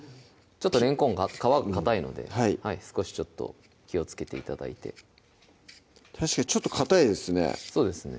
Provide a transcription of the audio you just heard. ちょっとれんこんが皮がかたいので少し気をつけて頂いて確かにちょっとかたいですね